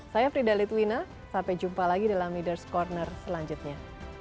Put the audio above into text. saya frida litwina sampai jumpa lagi di leaders' corner selanjutnya